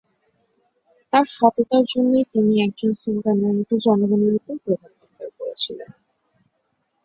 তার সততার জন্যই তিনি একজন সুলতানের মতো জনগণের ওপর প্রভাব বিস্তার করেছিলেন।